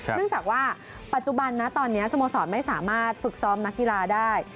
เนื่องจากว่าปัจจุบันนะตอนนี้สโมสรไม่สามารถฝึกซ้อมนักกีฬาได้